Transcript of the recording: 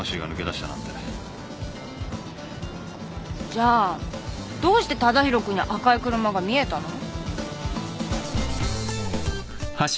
じゃあどうして忠広君に赤い車が見えたの？